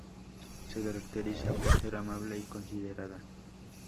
Se caracteriza por ser amable y considerada.